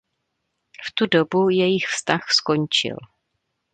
V tu dobu jejich vztah skončil.